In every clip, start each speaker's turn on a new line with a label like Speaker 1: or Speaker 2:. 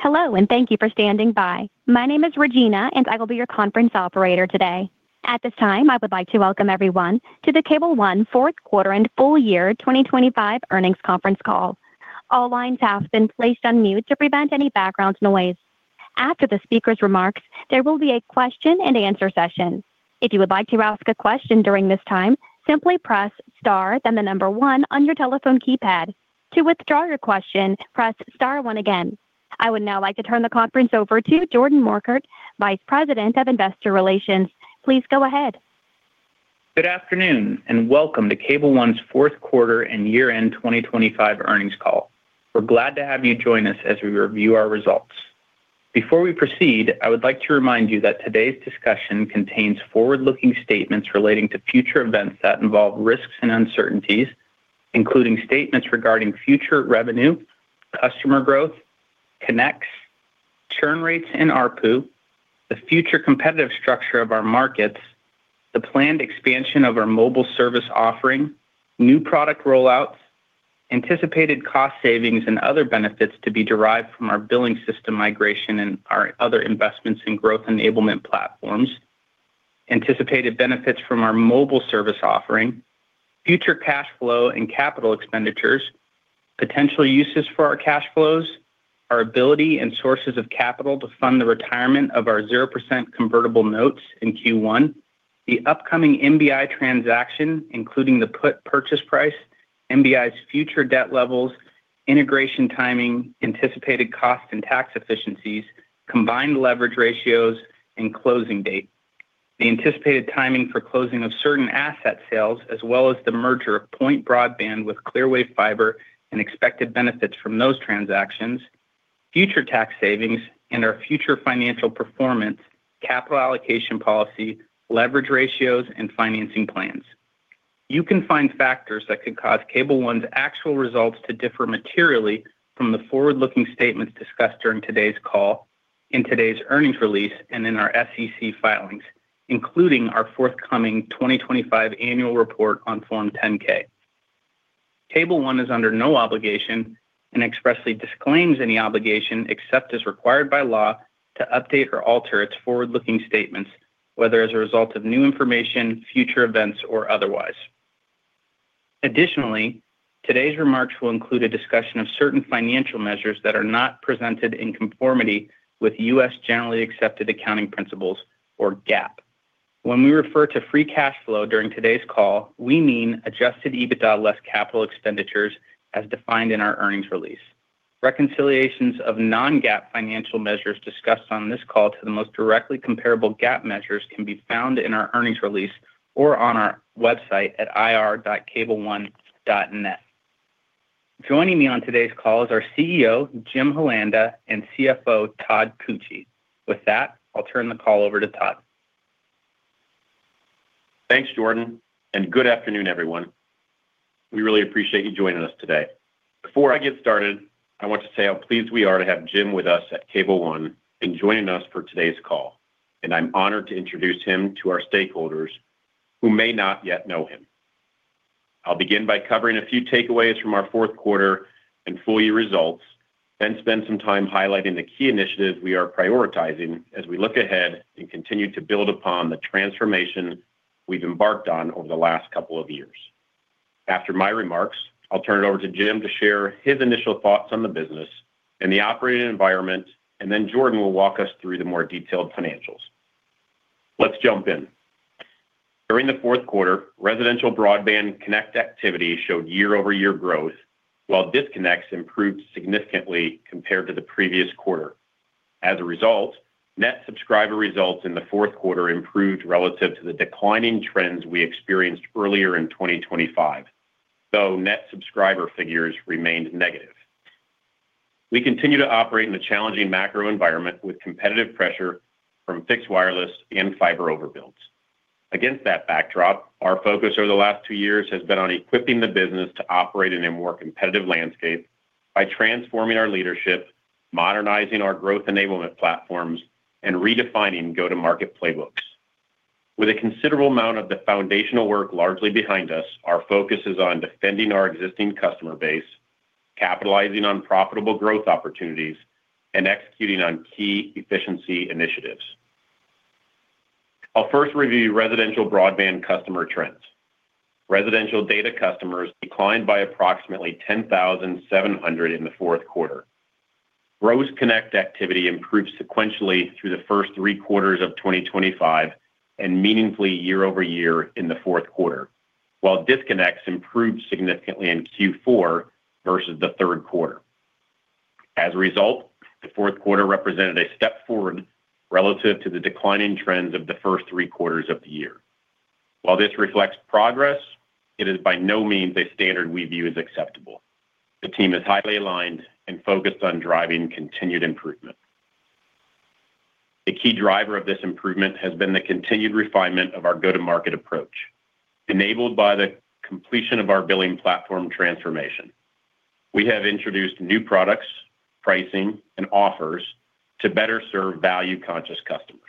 Speaker 1: Hello, thank you for standing by. My name is Regina, and I will be your conference operator today. At this time, I would like to welcome everyone to the Cable One fourth quarter and full year 2025 earnings conference call. All lines have been placed on mute to prevent any background noise. After the speaker's remarks, there will be a question-and-answer session. If you would like to ask a question during this time, simply press Star, then the number one on your telephone keypad. To withdraw your question, press Star one again. I would now like to turn the conference over to Jordan Morkert, Vice President of Investor Relations. Please go ahead.
Speaker 2: Good afternoon, and welcome to Cable One's fourth quarter and year-end 2025 earnings call. We're glad to have you join us as we review our results. Before we proceed, I would like to remind you that today's discussion contains forward-looking statements relating to future events that involve risks and uncertainties, including statements regarding future revenue, customer growth, connects, churn rates in ARPU, the future competitive structure of our markets, the planned expansion of our mobile service offering, new product rollouts, anticipated cost savings and other benefits to be derived from our billing system migration and our other investments in growth enablement platforms, anticipated benefits from our mobile service offering, future cash flow and capital expenditures, potential uses for our cash flows, our ability and sources of capital to fund the retirement of our 0% convertible notes in Q1. The upcoming MBI transaction, including the put purchase price, MBI's future debt levels, integration timing, anticipated costs and tax efficiencies, combined leverage ratios and closing date, the anticipated timing for closing of certain asset sales, as well as the merger of Point Broadband with Clearwave Fiber and expected benefits from those transactions, future tax savings and our future financial performance, capital allocation policy, leverage ratios and financing plans. You can find factors that could cause Cable One's actual results to differ materially from the forward-looking statements discussed during today's call in today's earnings release and in our SEC filings, including our forthcoming 2025 annual report on Form 10-K. Cable One is under no obligation and expressly disclaims any obligation except as required by law to update or alter its forward-looking statements, whether as a result of new information, future events, or otherwise. Today's remarks will include a discussion of certain financial measures that are not presented in conformity with U.S. generally accepted accounting principles or GAAP. When we refer to free cash flow during today's call, we mean adjusted EBITDA less capital expenditures as defined in our earnings release. Reconciliations of non-GAAP financial measures discussed on this call to the most directly comparable GAAP measures can be found in our earnings release or on our website at ir.cableone.net. Joining me on today's call is our CEO, Jim Holanda, and CFO, Todd Koetje. I'll turn the call over to Todd.
Speaker 3: Thanks, Jordan, and good afternoon, everyone. We really appreciate you joining us today. Before I get started, I want to say how pleased we are to have Jim with us at Cable One and joining us for today's call, and I'm honored to introduce him to our stakeholders who may not yet know him. I'll begin by covering a few takeaways from our fourth quarter and full year results, then spend some time highlighting the key initiatives we are prioritizing as we look ahead and continue to build upon the transformation we've embarked on over the last couple of years. After my remarks, I'll turn it over to Jim to share his initial thoughts on the business and the operating environment, and then Jordan will walk us through the more detailed financials. Let's jump in. During the fourth quarter, residential broadband connect activity showed year-over-year growth, while disconnects improved significantly compared to the previous quarter. As a result, net subscriber results in the fourth quarter improved relative to the declining trends we experienced earlier in 2025, though net subscriber figures remained negative. We continue to operate in a challenging macro environment with competitive pressure from fixed wireless and fiber overbuilds. Against that backdrop, our focus over the last two years has been on equipping the business to operate in a more competitive landscape by transforming our leadership, modernizing our growth enablement platforms, and redefining go-to-market playbooks. With a considerable amount of the foundational work largely behind us, our focus is on defending our existing customer base, capitalizing on profitable growth opportunities, and executing on key efficiency initiatives. I'll first review residential broadband customer trends. Residential data customers declined by approximately 10,700 in the fourth quarter. Gross connect activity improved sequentially through the first three quarters of 2025 and meaningfully year-over-year in the fourth quarter, while disconnects improved significantly in Q4 versus the third quarter. The fourth quarter represented a step forward relative to the declining trends of the first three quarters of the year. This reflects progress. It is by no means a standard we view as acceptable. The team is highly aligned and focused on driving continued improvement. A key driver of this improvement has been the continued refinement of our go-to-market approach, enabled by the completion of our billing platform transformation. We have introduced new products, pricing, and offers to better serve value-conscious customers.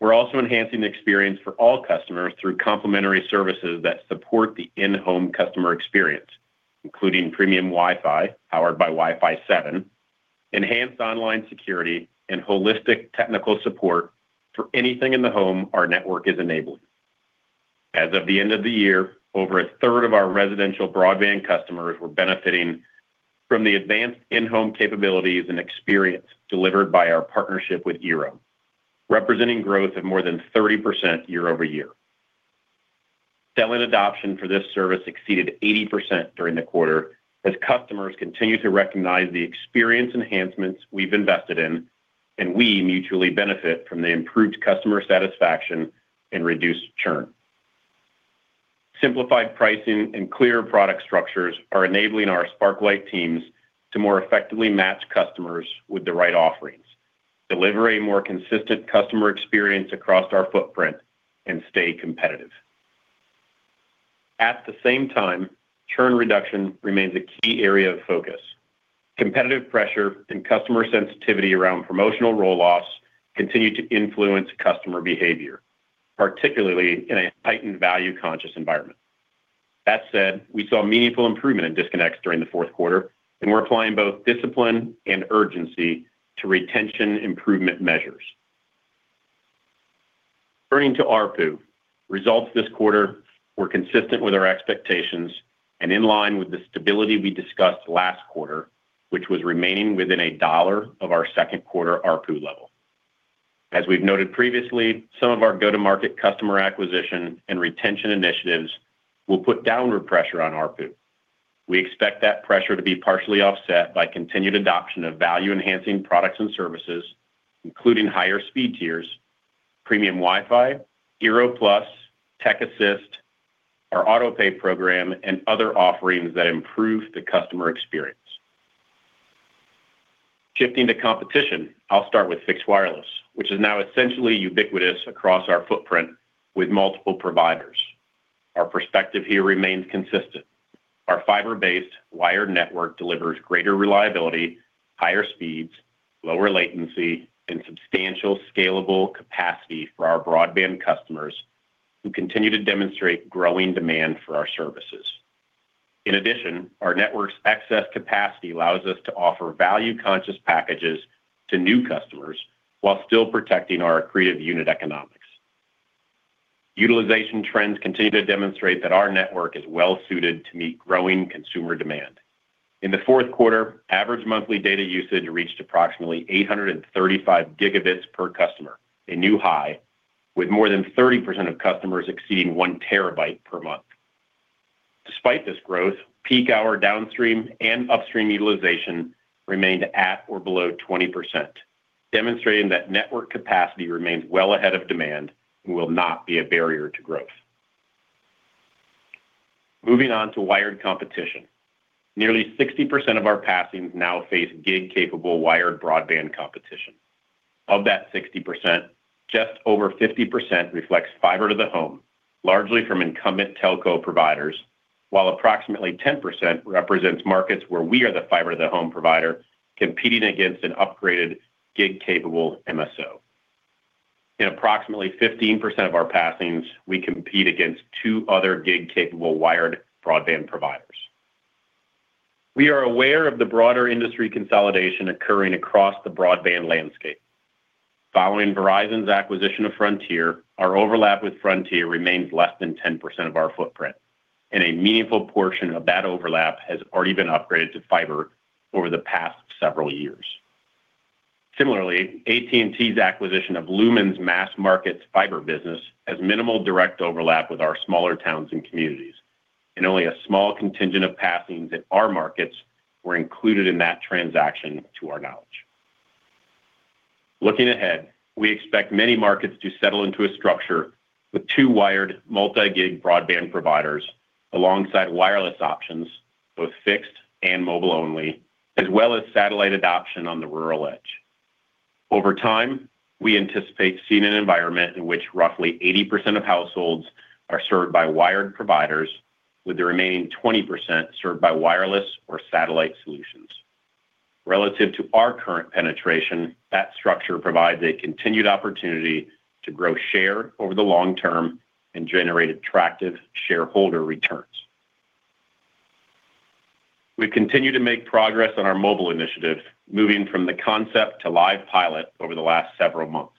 Speaker 3: We're also enhancing the experience for all customers through complementary services that support the in-home customer experience, including premium Wi-Fi powered by Wi-Fi 7, enhanced online security, and holistic technical support for anything in the home our network is enabling. As of the end of the year, over a third of our residential broadband customers were benefiting from the advanced in-home capabilities and experience delivered by our partnership with eero, representing growth of more than 30% year over year. Sell-in adoption for this service exceeded 80% during the quarter as customers continue to recognize the experience enhancements we've invested in, and we mutually benefit from the improved customer satisfaction and reduced churn. Simplified pricing and clear product structures are enabling our Sparklight teams to more effectively match customers with the right offerings, deliver a more consistent customer experience across our footprint, and stay competitive. At the same time, churn reduction remains a key area of focus. Competitive pressure and customer sensitivity around promotional roll loss continue to influence customer behavior, particularly in a heightened value-conscious environment. That said, we saw meaningful improvement in disconnects during the fourth quarter, and we're applying both discipline and urgency to retention improvement measures. Turning to ARPU, results this quarter were consistent with our expectations and in line with the stability we discussed last quarter, which was remaining within $1 of our second quarter ARPU level. As we've noted previously, some of our go-to-market customer acquisition and retention initiatives will put downward pressure on ARPU. We expect that pressure to be partially offset by continued adoption of value-enhancing products and services, including higher speed tiers, premium Wi-Fi, eero Plus, TechAssist, our auto-pay program, and other offerings that improve the customer experience. Shifting to competition, I'll start with fixed wireless, which is now essentially ubiquitous across our footprint with multiple providers. Our perspective here remains consistent. Our fiber-based wired network delivers greater reliability, higher speeds, lower latency, and substantial scalable capacity for our broadband customers who continue to demonstrate growing demand for our services. In addition, our network's excess capacity allows us to offer value-conscious packages to new customers while still protecting our accretive unit economics. Utilization trends continue to demonstrate that our network is well-suited to meet growing consumer demand. In the fourth quarter, average monthly data usage reached approximately 835 Gb per customer, a new high, with more than 30% of customers exceeding 1 TB per month. Despite this growth, peak hour downstream and upstream utilization remained at or below 20%, demonstrating that network capacity remains well ahead of demand and will not be a barrier to growth. Moving on to wired competition, nearly 60% of our passings now face gig-capable wired broadband competition. Of that 60%, just over 50% reflects fiber to the home, largely from incumbent telco providers, while approximately 10% represents markets where we are the fiber to the home provider competing against an upgraded gig-capable MSO. In approximately 15% of our passings, we compete against two other gig-capable wired broadband providers. We are aware of the broader industry consolidation occurring across the broadband landscape. Following Verizon's acquisition of Frontier, our overlap with Frontier remains less than 10% of our footprint, and a meaningful portion of that overlap has already been upgraded to fiber over the past several years. Similarly, AT&T's acquisition of Lumen's Mass Markets fiber business has minimal direct overlap with our smaller towns and communities, and only a small contingent of passings in our markets were included in that transaction to our knowledge. Looking ahead, we expect many markets to settle into a structure with two wired multi-gig broadband providers alongside wireless options, both fixed and mobile-only, as well as satellite adoption on the rural edge. Over time, we anticipate seeing an environment in which roughly 80% of households are served by wired providers, with the remaining 20% served by wireless or satellite solutions. Relative to our current penetration, that structure provides a continued opportunity to grow share over the long term and generate attractive shareholder returns. We continue to make progress on our mobile initiatives, moving from the concept to live pilot over the last several months.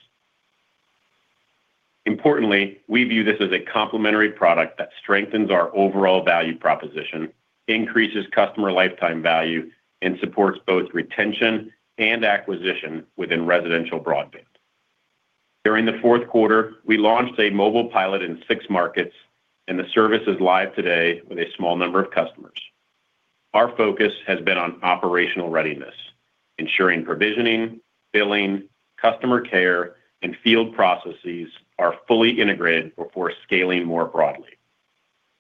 Speaker 3: Importantly, we view this as a complementary product that strengthens our overall value proposition, increases customer lifetime value, and supports both retention and acquisition within residential broadband. During the fourth quarter, we launched a mobile pilot in six markets, and the service is live today with a small number of customers. Our focus has been on operational readiness, ensuring provisioning, billing, customer care, and field processes are fully integrated before scaling more broadly.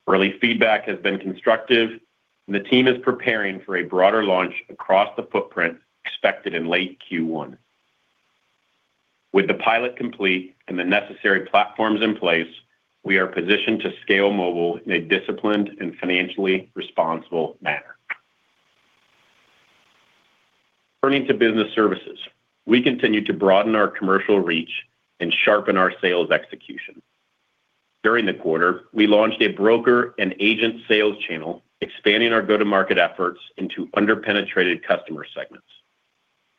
Speaker 3: Early feedback has been constructive, the team is preparing for a broader launch across the footprint expected in late Q1. With the pilot complete and the necessary platforms in place, we are positioned to scale mobile in a disciplined and financially responsible manner. Turning to business services, we continue to broaden our commercial reach and sharpen our sales execution. During the quarter, we launched a broker and agent sales channel, expanding our go-to-market efforts into under-penetrated customer segments.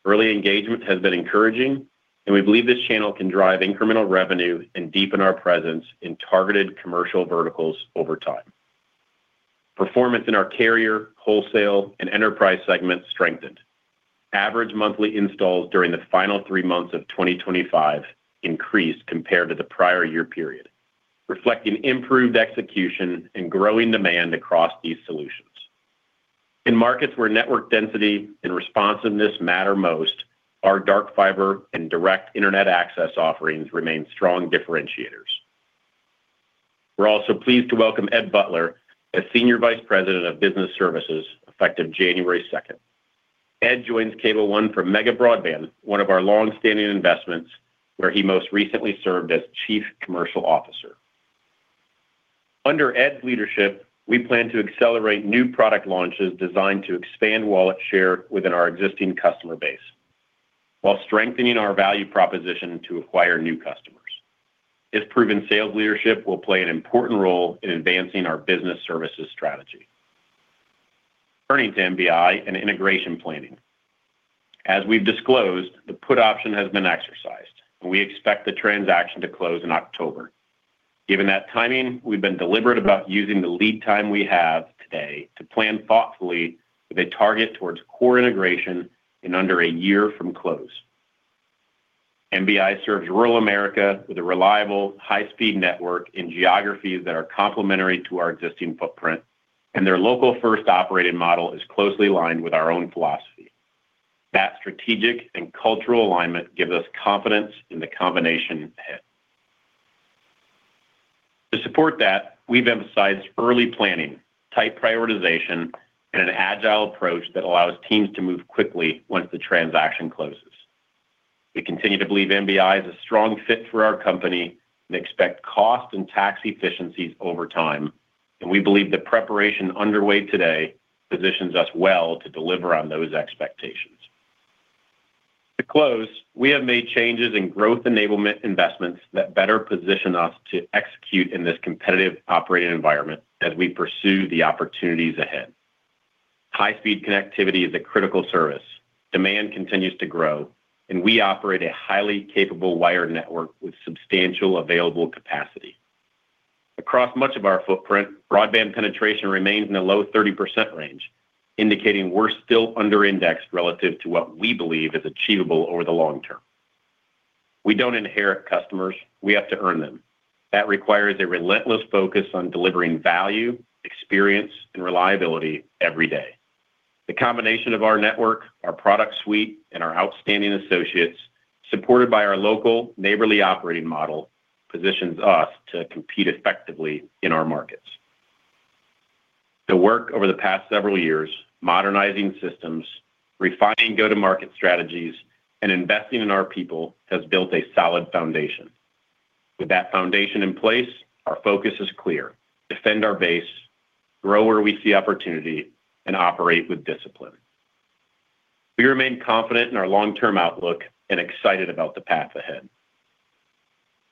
Speaker 3: Early engagement has been encouraging, and we believe this channel can drive incremental revenue and deepen our presence in targeted commercial verticals over time. Performance in our carrier, wholesale, and enterprise segments strengthened. Average monthly installs during the final three months of 2025 increased compared to the prior year period, reflecting improved execution and growing demand across these solutions. In markets where network density and responsiveness matter most, our dark fiber and direct internet access offerings remain strong differentiators. We're also pleased to welcome Ed Butler as Senior Vice President of Business Services effective January 2nd. Ed joins Cable One from Mega Broadband, one of our long-standing investments, where he most recently served as Chief Commercial Officer. Under Ed's leadership, we plan to accelerate new product launches designed to expand wallet share within our existing customer base while strengthening our value proposition to acquire new customers. His proven sales leadership will play an important role in advancing our business services strategy. Turning to MBI and integration planning. As we've disclosed, the put option has been exercised, and we expect the transaction to close in October. Given that timing, we've been deliberate about using the lead time we have today to plan thoughtfully with a target towards core integration in under a year from close. MBI serves rural America with a reliable, high-speed network in geographies that are complementary to our existing footprint, and their local-first operating model is closely aligned with our own philosophy. That strategic and cultural alignment gives us confidence in the combination ahead. To support that, we've emphasized early planning, tight prioritization, and an agile approach that allows teams to move quickly once the transaction closes. We continue to believe MBI is a strong fit for our company and expect cost and tax efficiencies over time, and we believe the preparation underway today positions us well to deliver on those expectations. To close, we have made changes in growth enablement investments that better position us to execute in this competitive operating environment as we pursue the opportunities ahead. High-speed connectivity is a critical service. Demand continues to grow, and we operate a highly capable wired network with substantial available capacity. Across much of our footprint, broadband penetration remains in the low 30% range, indicating we're still under-indexed relative to what we believe is achievable over the long term. We don't inherit customers, we have to earn them. That requires a relentless focus on delivering value, experience, and reliability every day. The combination of our network, our product suite, and our outstanding associates, supported by our local neighborly operating model, positions us to compete effectively in our markets. The work over the past several years, modernizing systems, refining go-to-market strategies, and investing in our people has built a solid foundation. With that foundation in place, our focus is clear: defend our base, grow where we see opportunity, and operate with discipline. We remain confident in our long-term outlook and excited about the path ahead.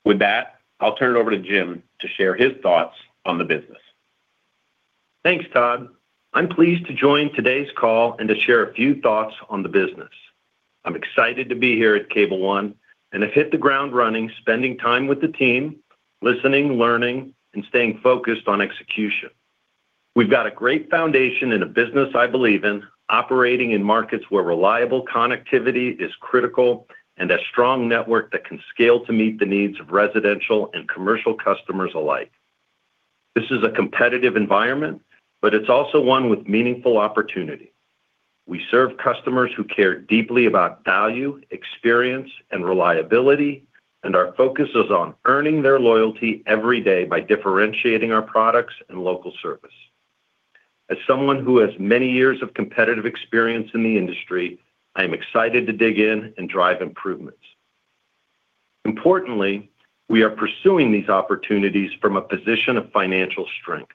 Speaker 3: With that, I'll turn it over to Jim to share his thoughts on the business.
Speaker 4: Thanks, Todd. I'm pleased to join today's call and to share a few thoughts on the business. I'm excited to be here at Cable One and have hit the ground running, spending time with the team, listening, learning, and staying focused on execution. We've got a great foundation and a business I believe in, operating in markets where reliable connectivity is critical and a strong network that can scale to meet the needs of residential and commercial customers alike. This is a competitive environment, but it's also one with meaningful opportunity. We serve customers who care deeply about value, experience, and reliability, and our focus is on earning their loyalty every day by differentiating our products and local service. As someone who has many years of competitive experience in the industry, I am excited to dig in and drive improvements. Importantly, we are pursuing these opportunities from a position of financial strength.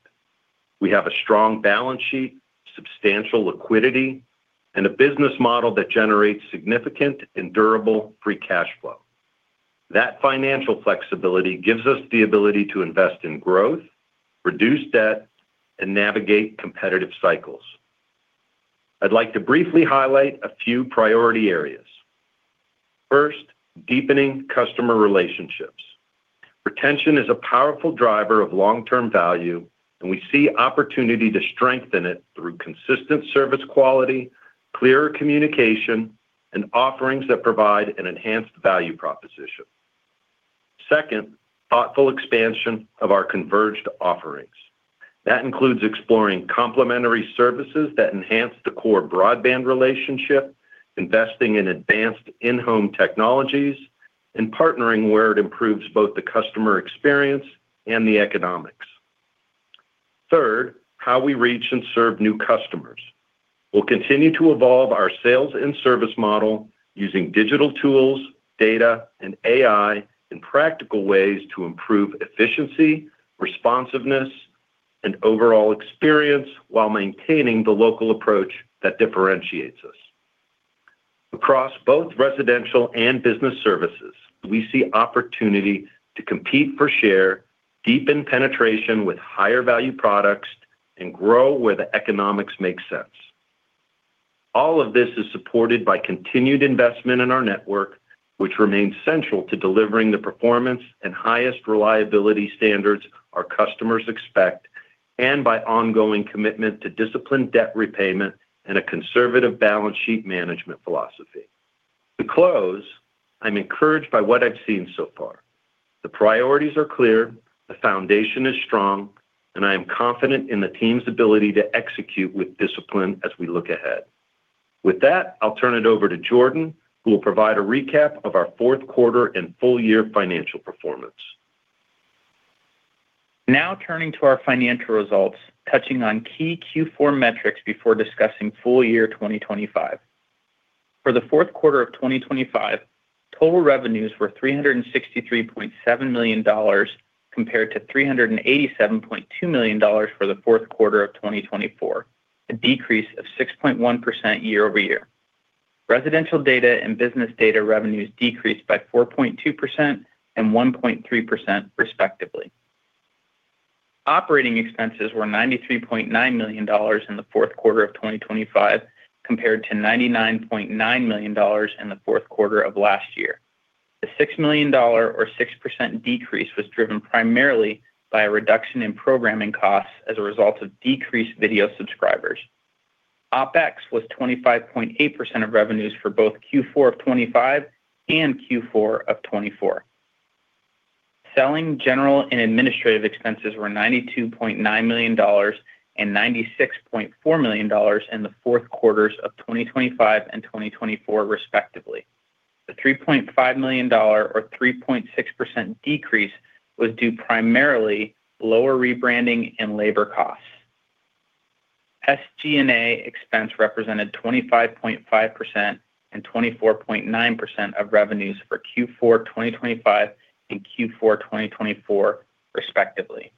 Speaker 4: We have a strong balance sheet, substantial liquidity, and a business model that generates significant and durable free cash flow. That financial flexibility gives us the ability to invest in growth, reduce debt, and navigate competitive cycles. I'd like to briefly highlight a few priority areas. First, deepening customer relationships. Retention is a powerful driver of long-term value, and we see opportunity to strengthen it through consistent service quality, clear communication, and offerings that provide an enhanced value proposition. Second, thoughtful expansion of our converged offerings. That includes exploring complementary services that enhance the core broadband relationship, investing in advanced in-home technologies, and partnering where it improves both the customer experience and the economics. Third, how we reach and serve new customers. We'll continue to evolve our sales and service model using digital tools, data, and AI in practical ways to improve efficiency, responsiveness and overall experience while maintaining the local approach that differentiates us. Across both residential and business services, we see opportunity to compete for share, deepen penetration with higher value products, and grow where the economics make sense. All of this is supported by continued investment in our network, which remains central to delivering the performance and highest reliability standards our customers expect, and by ongoing commitment to disciplined debt repayment and a conservative balance sheet management philosophy. To close, I'm encouraged by what I've seen so far. The priorities are clear, the foundation is strong, and I am confident in the team's ability to execute with discipline as we look ahead. With that, I'll turn it over to Jordan, who will provide a recap of our fourth quarter and full year financial performance.
Speaker 2: Now turning to our financial results, touching on key Q4 metrics before discussing full year 2025. For the fourth quarter of 2025, total revenues were $363.7 million compared to $387.2 million for the fourth quarter of 2024, a decrease of 6.1% year-over-year. Residential data and business data revenues decreased by 4.2% and 1.3% respectively. Operating expenses were $93.9 million in the fourth quarter of 2025 compared to $99.9 million in the fourth quarter of last year. The $6 million or 6% decrease was driven primarily by a reduction in programming costs as a result of decreased video subscribers. OpEx was 25.8% of revenues for both Q4 of 2025 and Q4 of 2024. Selling, general, and administrative expenses were $92.9 million and $96.4 million in the fourth quarters of 2025 and 2024 respectively. The $3.5 million or 3.6% decrease was due primarily lower rebranding and labor costs. SG&A expense represented 25.5% and 24.9% of revenues for Q4 2025 and Q4 2024 respectively.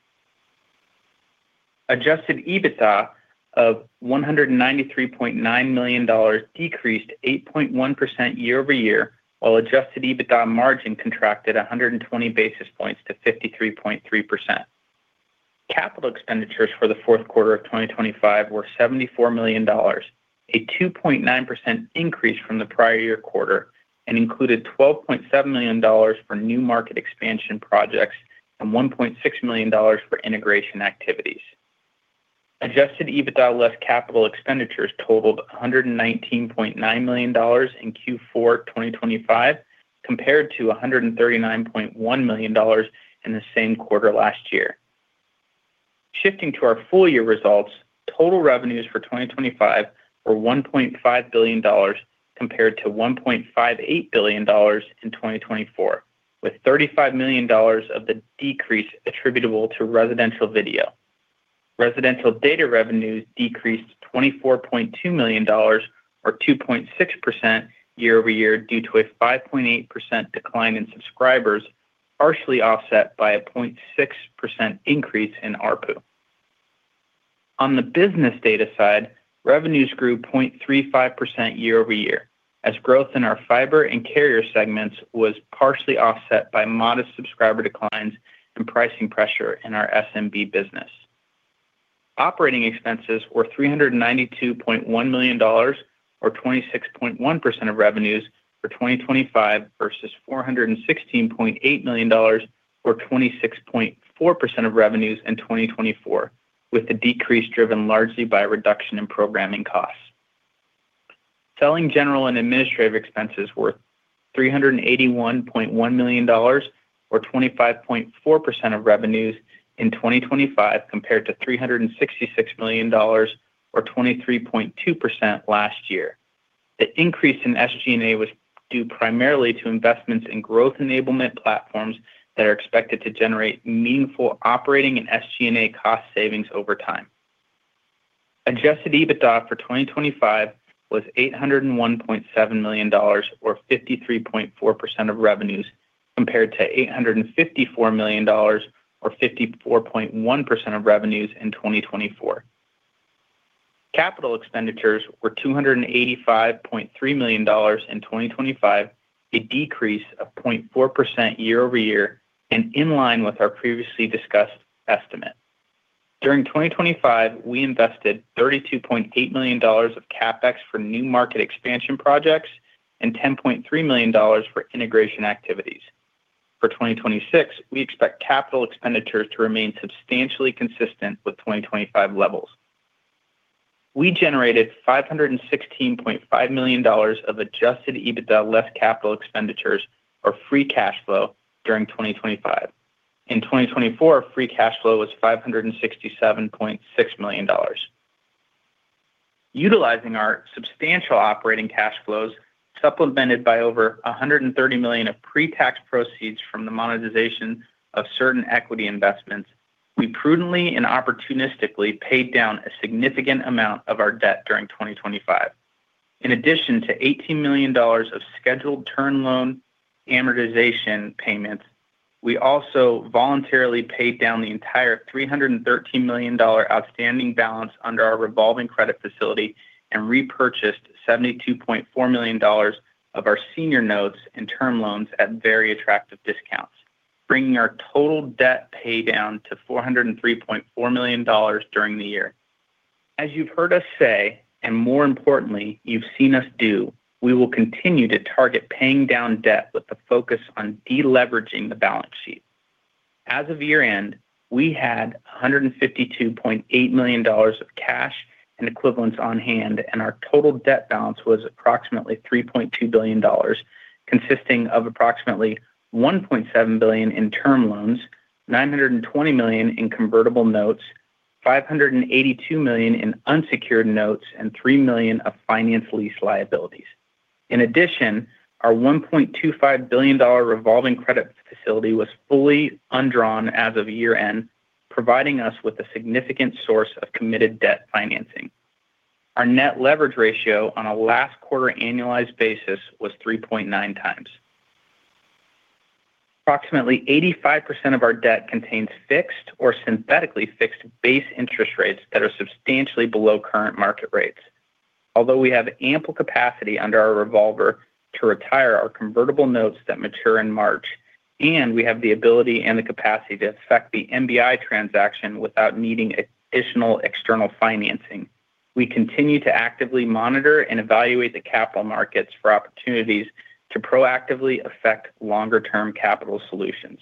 Speaker 2: Adjusted EBITDA of $193.9 million decreased 8.1% year-over-year while adjusted EBITDA margin contracted 120 basis points to 53.3%. Capital expenditures for the fourth quarter of 2025 were $74 million, a 2.9% increase from the prior year quarter and included $12.7 million for new market expansion projects and $1.6 million for integration activities. Adjusted EBITDA less capital expenditures totaled $119.9 million in Q4 2025 compared to $139.1 million in the same quarter last year. Shifting to our full year results, total revenues for 2025 were $1.5 billion compared to $1.58 billion in 2024, with $35 million of the decrease attributable to residential video. Residential data revenues decreased $24.2 million or 2.6% year-over-year due to a 5.8% decline in subscribers, partially offset by a 0.6% increase in ARPU. On the business data side, revenues grew 0.35% year-over-year as growth in our fiber and carrier segments was partially offset by modest subscriber declines and pricing pressure in our SMB business. Operating expenses were $392.1 million or 26.1% of revenues for 2025 versus $416.8 million or 26.4% of revenues in 2024, with the decrease driven largely by a reduction in programming costs. Selling general and administrative expenses were $381.1 million or 25.4% of revenues in 2025 compared to $366 million or 23.2% last year. The increase in SG&A was due primarily to investments in growth enablement platforms that are expected to generate meaningful operating and SG&A cost savings over time. Adjusted EBITDA for 2025 was $801.7 million or 53.4% of revenues compared to $854 million or 54.1% of revenues in 2024. Capital expenditures were $285.3 million in 2025, a decrease of 0.4% year-over-year and in line with our previously discussed estimate. During 2025, we invested $32.8 million of CapEx for new market expansion projects and $10.3 million for integration activities. For 2026, we expect capital expenditures to remain substantially consistent with 2025 levels. We generated $516.5 million of adjusted EBITDA less capital expenditures or free cash flow during 2025. In 2024, free cash flow was $567.6 million. Utilizing our substantial operating cash flows, supplemented by over $130 million of pre-tax proceeds from the monetization of certain equity investments, we prudently and opportunistically paid down a significant amount of our debt during 2025. In addition to $18 million of scheduled term loan amortization payments, we also voluntarily paid down the entire $313 million outstanding balance under our revolving credit facility and repurchased $72.4 million of our senior notes and term loans at very attractive discounts, bringing our total debt pay down to $403.4 million during the year. As you've heard us say, and more importantly, you've seen us do, we will continue to target paying down debt with the focus on deleveraging the balance sheet. As of year-end, we had $152.8 million of cash and equivalents on hand, and our total debt balance was approximately $3.2 billion, consisting of approximately $1.7 billion in term loans, $920 million in convertible notes, $582 million in unsecured notes, and $3 million of finance lease liabilities. In addition, our $1.25 billion revolving credit facility was fully undrawn as of year-end, providing us with a significant source of committed debt financing. Our net leverage ratio on a last quarter annualized basis was 3.9x. Approximately 85% of our debt contains fixed or synthetically fixed base interest rates that are substantially below current market rates. Although we have ample capacity under our revolver to retire our convertible notes that mature in March, and we have the ability and the capacity to effect the MBI transaction without needing additional external financing, we continue to actively monitor and evaluate the capital markets for opportunities to proactively affect longer-term capital solutions.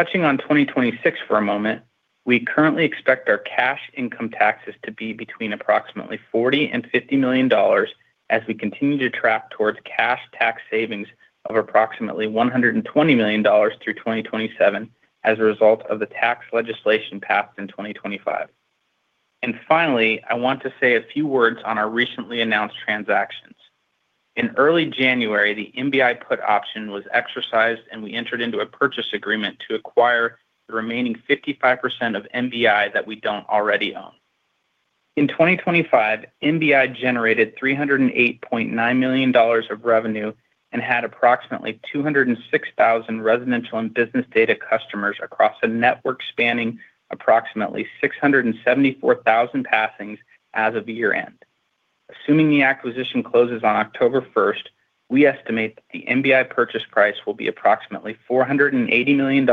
Speaker 2: Touching on 2026 for a moment, we currently expect our cash income taxes to be between approximately $40 million and $50 million as we continue to track towards cash tax savings of approximately $120 million through 2027 as a result of the tax legislation passed in 2025. Finally, I want to say a few words on our recently announced transactions. In early January, the MBI put option was exercised, and we entered into a purchase agreement to acquire the remaining 55% of MBI that we don't already own. In 2025, MBI generated $308.9 million of revenue and had approximately 206,000 residential and business data customers across a network spanning approximately 674,000 passings as of year-end. Assuming the acquisition closes on October 1st, we estimate that the MBI purchase price will be approximately $480 million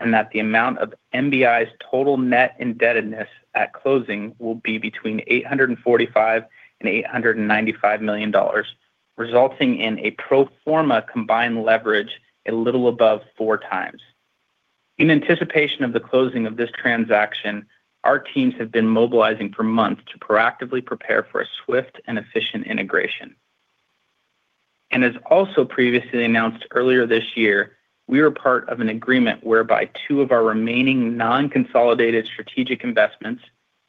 Speaker 2: and that the amount of MBI's total net indebtedness at closing will be between $845 million and $895 million, resulting in a pro forma combined leverage a little above 4 times. In anticipation of the closing of this transaction, our teams have been mobilizing for months to proactively prepare for a swift and efficient integration. As also previously announced earlier this year, we are part of an agreement whereby two of our remaining non-consolidated strategic investments,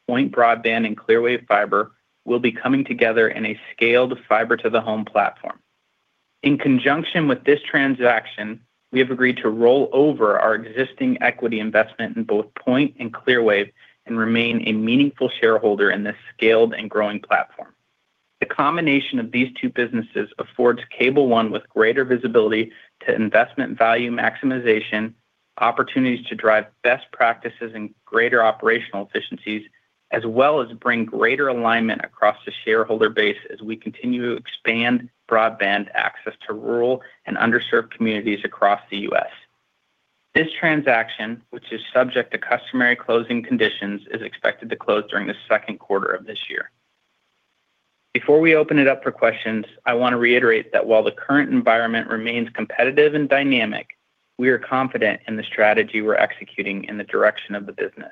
Speaker 2: Point Broadband and Clearwave Fiber, will be coming together in a scaled fiber to the home platform. In conjunction with this transaction, we have agreed to roll over our existing equity investment in both Point and Clearwave and remain a meaningful shareholder in this scaled and growing platform. The combination of these two businesses affords Cable One with greater visibility to investment value maximization, opportunities to drive best practices and greater operational efficiencies, as well as bring greater alignment across the shareholder base as we continue to expand broadband access to rural and underserved communities across the U.S. This transaction, which is subject to customary closing conditions, is expected to close during the second quarter of this year. Before we open it up for questions, I want to reiterate that while the current environment remains competitive and dynamic, we are confident in the strategy we're executing in the direction of the business.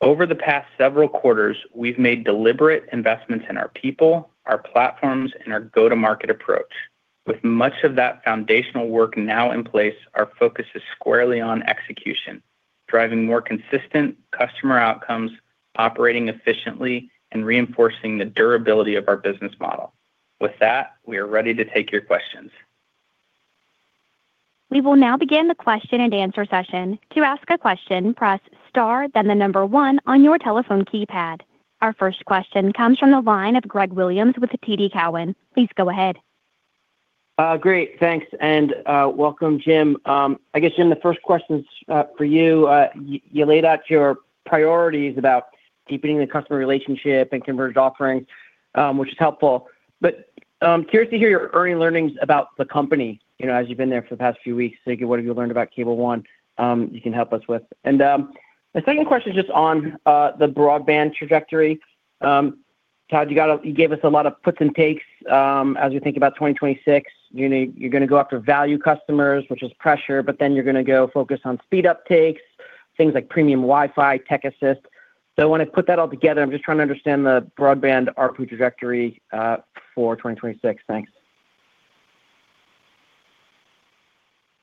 Speaker 2: Over the past several quarters, we've made deliberate investments in our people, our platforms, and our go-to-market approach. With much of that foundational work now in place, our focus is squarely on execution, driving more consistent customer outcomes, operating efficiently, and reinforcing the durability of our business model. With that, we are ready to take your questions.
Speaker 1: We will now begin the question and answer session. To ask a question, press * then the number 1 on your telephone keypad. Our first question comes from the line of Greg Williams with TD Cowen. Please go ahead.
Speaker 5: Great. Thanks. Welcome, Jim. I guess, Jim, the first question's for you. You laid out your priorities about deepening the customer relationship and converged offerings, which is helpful. I'm curious to hear your early learnings about the company, you know, as you've been there for the past few weeks. What have you learned about Cable One, you can help us with? The second question is just on the broadband trajectory. Todd, you gave us a lot of puts and takes as we think about 2026. You're gonna go after value customers, which is pressure, but then you're gonna go focus on speed uptakes, things like premium Wi-Fi, TechAssist. I want to put that all together. I'm just trying to understand the broadband ARPU trajectory for 2026. Thanks.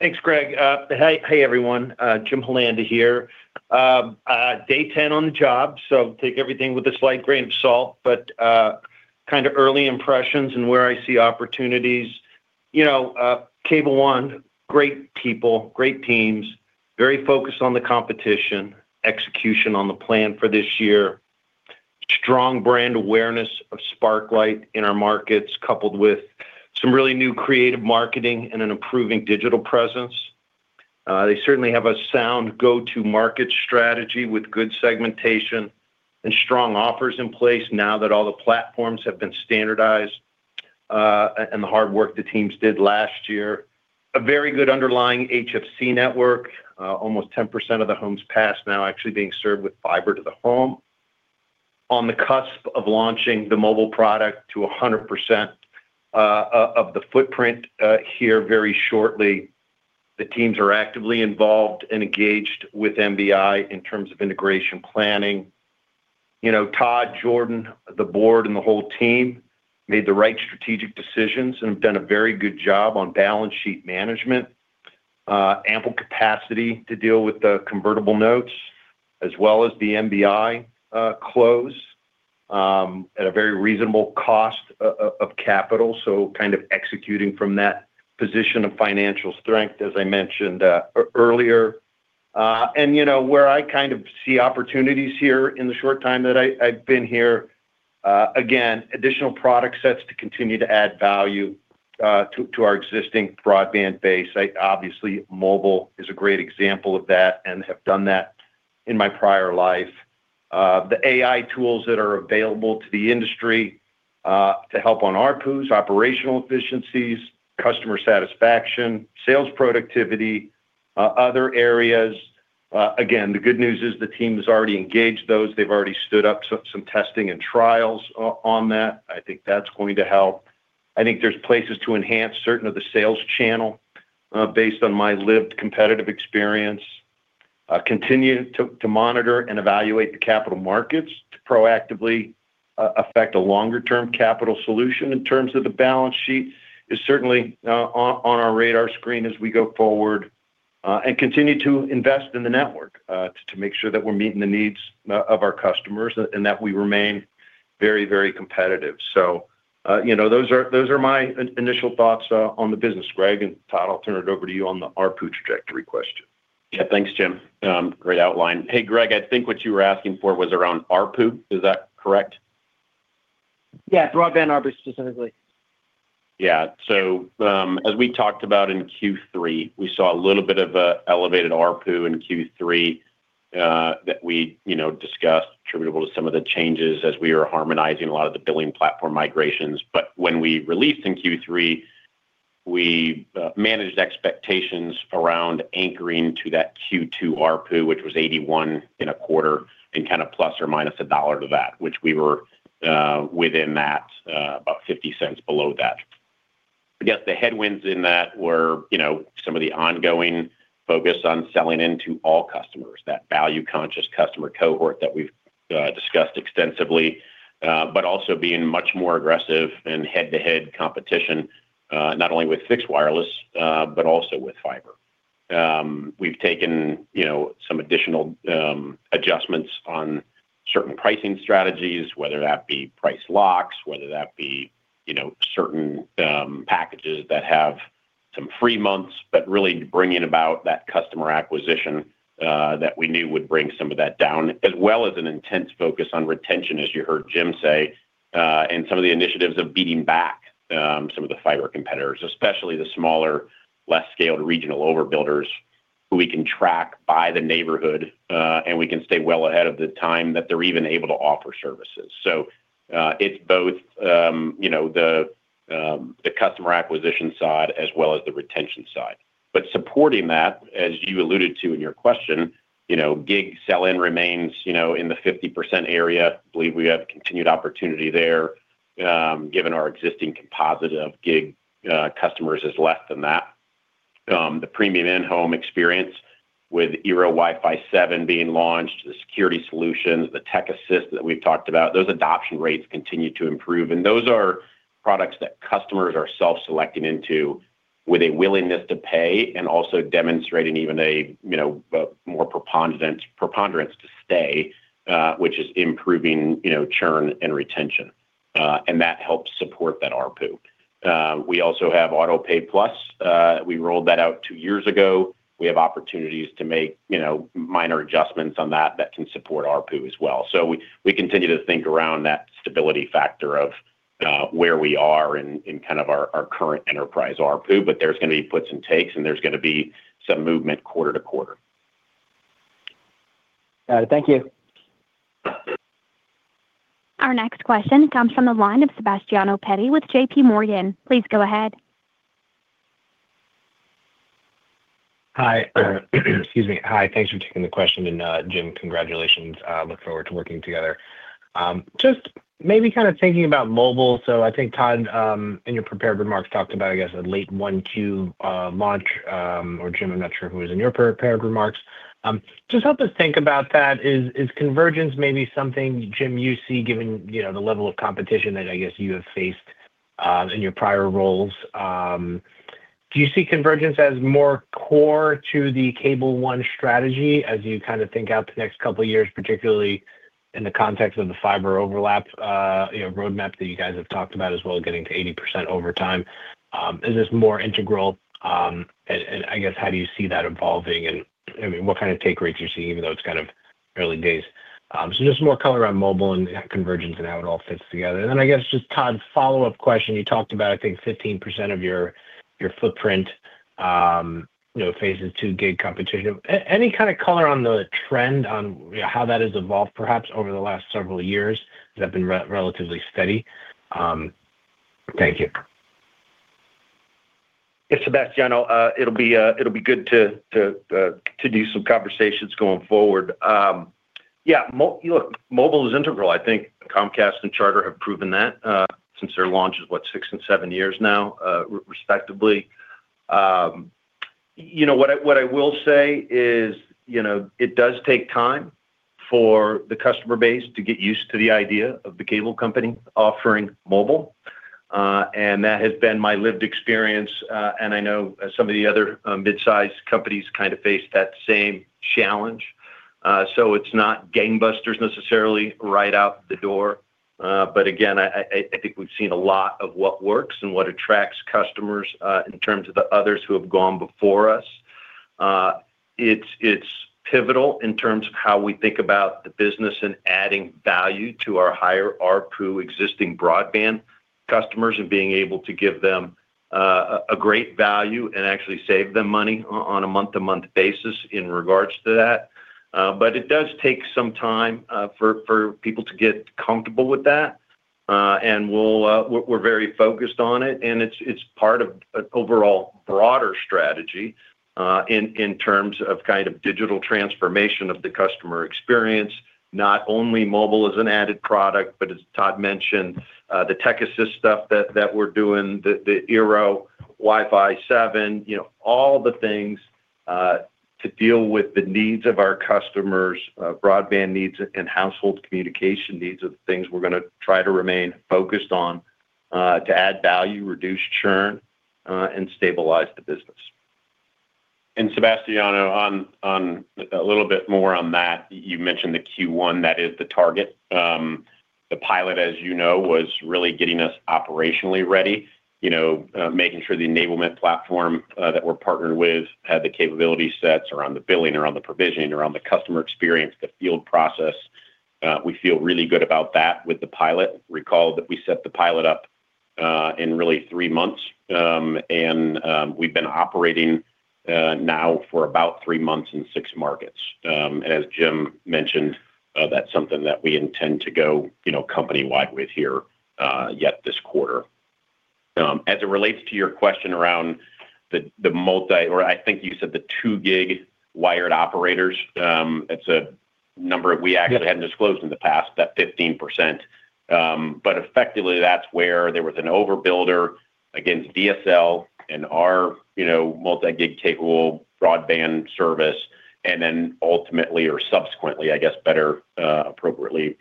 Speaker 4: Thanks, Greg. Hey, everyone. Jim Holanda here. Day 10 on the job, so take everything with a slight grain of salt, but kinda early impressions and where I see opportunities You know, Cable One, great people, great teams, very focused on the competition, execution on the plan for this year, strong brand awareness of Sparklight in our markets, coupled with some really new creative marketing and an improving digital presence. They certainly have a sound go-to market strategy with good segmentation and strong offers in place now that all the platforms have been standardized, and the hard work the teams did last year. A very good underlying HFC network, almost 10% of the homes passed now actually being served with fiber to the home. On the cusp of launching the mobile product to 100% of the footprint here very shortly. The teams are actively involved and engaged with MBI in terms of integration planning. You know, Todd, Jordan, the board, and the whole team made the right strategic decisions and have done a very good job on balance sheet management. Ample capacity to deal with the convertible notes as well as the MBI close at a very reasonable cost of capital, so kind of executing from that position of financial strength, as I mentioned earlier. You know, where I kind of see opportunities here in the short time that I've been here, again, additional product sets to continue to add value to our existing broadband base. Obviously, mobile is a great example of that and have done that in my prior life. The AI tools that are available to the industry to help on ARPUs, operational efficiencies, customer satisfaction, sales productivity, other areas. Again, the good news is the team has already engaged those. They've already stood up some testing and trials on that. I think that's going to help. I think there's places to enhance certain of the sales channel, based on my lived competitive experience. Continue to monitor and evaluate the capital markets to proactively affect a longer-term capital solution in terms of the balance sheet is certainly on our radar screen as we go forward. Continue to invest in the network to make sure that we're meeting the needs of our customers and that we remain very, very competitive. You know, those are, those are my initial thoughts on the business, Greg. Todd, I'll turn it over to you on the ARPU trajectory question.
Speaker 3: Thanks, Jim. great outline. Hey, Greg, I think what you were asking for was around ARPU. Is that correct?
Speaker 5: Broadband ARPU specifically.
Speaker 3: As we talked about in Q3, we saw a little bit of a elevated ARPU in Q3 that we, you know, discussed attributable to some of the changes as we are harmonizing a lot of the billing platform migrations. When we released in Q3, we managed expectations around anchoring to that Q2 ARPU, which was $81 in a quarter and kind of ±$1 to that, which we were within that, about $0.50 below that. I guess the headwinds in that were, you know, some of the ongoing focus on selling into all customers, that value-conscious customer cohort that we've discussed extensively, but also being much more aggressive in head-to-head competition, not only with fixed wireless, but also with fiber. We've taken, you know, some additional adjustments on certain pricing strategies, whether that be price locks, whether that be, you know, certain packages that have some free months, but really bringing about that customer acquisition that we knew would bring some of that down, as well as an intense focus on retention, as you heard Jim say, and some of the initiatives of beating back some of the fiber competitors, especially the smaller, less scaled regional overbuilders who we can track by the neighborhood, and we can stay well ahead of the time that they're even able to offer services. It's both, you know, the customer acquisition side as well as the retention side. But supporting that, as you alluded to in your question, you know, gig sell-in remains, you know, in the 50% area. I believe we have continued opportunity there, given our existing composite of gig customers is less than that. The premium in-home experience with eero Wi-Fi 7 being launched, the security solutions, the TechAssist that we've talked about, those adoption rates continue to improve. Those are products that customers are self-selecting into with a willingness to pay and also demonstrating even a, you know, a more preponderance to stay, which is improving, you know, churn and retention, and that helps support that ARPU. We also have AutoPay Plus. We rolled that out 2 years ago. We have opportunities to make, you know, minor adjustments on that can support ARPU as well. We continue to think around that stability factor of, where we are in kind of our current enterprise ARPU. There's gonna be puts and takes, and there's gonna be some movement quarter to quarter.
Speaker 5: Got it. Thank you.
Speaker 1: Our next question comes from the line of Sebastiano Petti with JPMorgan. Please go ahead.
Speaker 6: Hi. Excuse me. Hi. Thanks for taking the question. Jim, congratulations. I look forward to working together. Just maybe kind of thinking about mobile. I think Todd, in your prepared remarks, talked about, I guess, a late 1Q launch, or Jim, I'm not sure who was in your pre-prepared remarks. Just help us think about that. Is convergence maybe something, Jim, you see given, you know, the level of competition that I guess you have faced in your prior roles? Do you see convergence as more core to the Cable One strategy as you kind of think out the next couple of years, particularly in the context of the fiber overlap, you know, roadmap that you guys have talked about as well, getting to 80% over time? Is this more integral, and I guess how do you see that evolving and, I mean, what kind of take rates you're seeing even though it's kind of early days? Just more color on mobile and convergence and how it all fits together. I guess just, Todd, follow-up question. You talked about, I think 15% of your footprint, you know, faces 2 gig competition. Any kind of color on the trend on how that has evolved perhaps over the last several years that have been relatively steady. Thank you.
Speaker 4: Sebastiano Petti, it'll be good to do some conversations going forward. Look, mobile is integral. I think Comcast and Charter have proven that, since their launch is what? 6 and 7 years now, respectively. You know, what I will say is, you know, it does take time for the customer base to get used to the idea of the cable company offering mobile. That has been my lived experience, and I know some of the other mid-sized companies kind of face that same challenge. It's not gangbusters necessarily right out the door. Again, I think we've seen a lot of what works and what attracts customers, in terms of the others who have gone before us. It's, it's pivotal in terms of how we think about the business and adding value to our higher ARPU existing broadband customers and being able to give them a great value and actually save them money on a month-to-month basis in regards to that. It does take some time, for people to get comfortable with that. And we'll, we're very focused on it, and it's part of an overall broader strategy, in terms of kind of digital transformation of the customer experience. Not only mobile as an added product, but as Todd mentioned, the TechAssist stuff that we're doing, the eero Wi-Fi 7, you know, all the things to deal with the needs of our customers, broadband needs and household communication needs are the things we're gonna try to remain focused on to add value, reduce churn, and stabilize the business.
Speaker 3: Sebastiano on a little bit more on that, you mentioned the Q1, that is the target. The pilot, as you know, was really getting us operationally ready, you know, making sure the enablement platform that we're partnered with had the capability sets around the billing, around the provisioning, around the customer experience, the field process. We feel really good about that with the pilot. Recall that we set the pilot up in really 3 months, and we've been operating now for about 3 months in 6 markets. As Jim mentioned, that's something that we intend to go, you know, company-wide with here, yet this quarter. As it relates to your question around the multi or I think you said the 2 gig wired operators, it's a number we actually hadn't disclosed in the past, that 15%. Effectively that's where there was an overbuilder against DSL and our, you know, multi-gig capable broadband service. Then ultimately or subsequently, I guess better, appropriately,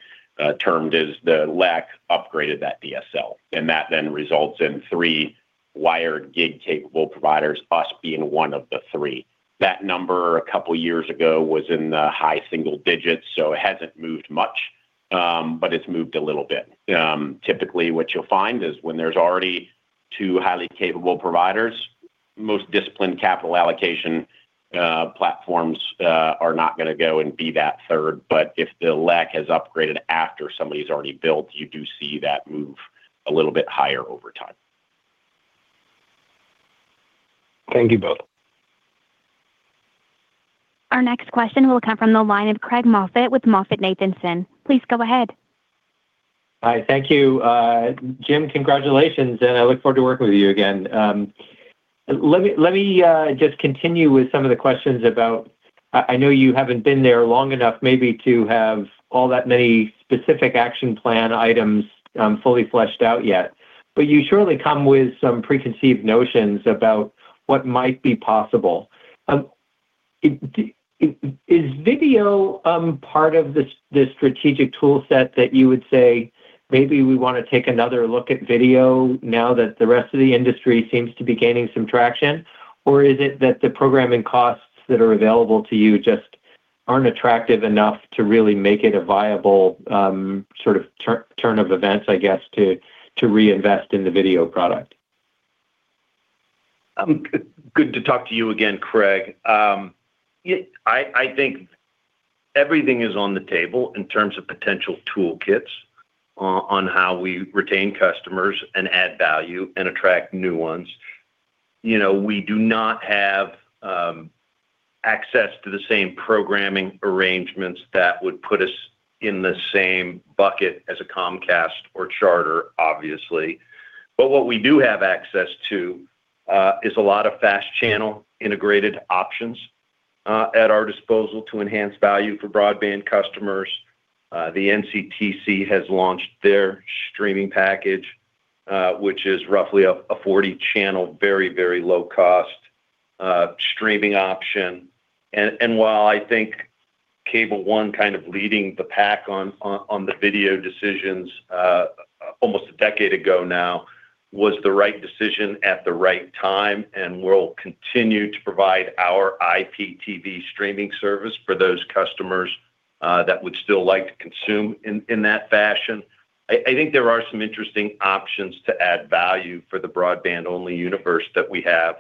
Speaker 3: termed is the LEC upgraded that DSL, and that then results in 3 wired gig-capable providers, us being 1 of the 3. That number a couple years ago was in the high single digits, so it hasn't moved much, but it's moved a little bit. Typically, what you'll find is when there's already 2 highly capable providers, most disciplined capital allocation, platforms, are not gonna go and be that third. If the LEC has upgraded after somebody's already built, you do see that move a little bit higher over time.
Speaker 6: Thank you both.
Speaker 1: Our next question will come from the line of Craig Moffett with MoffettNathanson. Please go ahead.
Speaker 7: Hi. Thank you. Jim, congratulations, and I look forward to working with you again. Let me just continue with some of the questions. I know you haven't been there long enough maybe to have all that many specific action plan items fully fleshed out yet. You surely come with some preconceived notions about what might be possible. Is video part of the strategic tool set that you would say, maybe we want to take another look at video now that the rest of the industry seems to be gaining some traction? Or is it that the programming costs that are available to you just aren't attractive enough to really make it a viable sort of turn of events, I guess, to reinvest in the video product?
Speaker 4: Good to talk to you again, Craig. I think everything is on the table in terms of potential toolkits on how we retain customers and add value and attract new ones. You know, we do not have access to the same programming arrangements that would put us in the same bucket as a Comcast or Charter, obviously. What we do have access to is a lot of fast channel integrated options at our disposal to enhance value for broadband customers. The NCTC has launched their streaming package, which is roughly a 40-channel, very low cost. Streaming option. While I think Cable One kind of leading the pack on the video decisions, almost a decade ago now was the right decision at the right time, and we'll continue to provide our IPTV streaming service for those customers that would still like to consume in that fashion. I think there are some interesting options to add value for the broadband-only universe that we have,